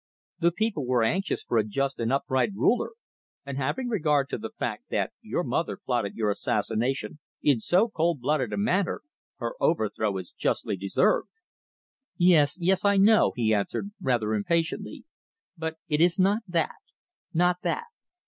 The people were anxious for a just and upright ruler, and having regard to the fact that your mother plotted your assassination in so cold blooded a manner, her overthrow is justly deserved." "Yes, yes, I know," he answered, rather impatiently. "But it is not that not that.